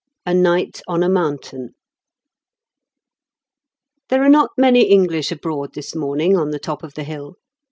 A NIGHT ON A MOUNTAIN There are not many English abroad this morning on the top of the hill.